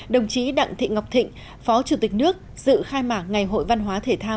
đồng chí đặng thị ngọc thịnh phó chủ tịch nước dự khai mạc ngày hội văn hóa thể thao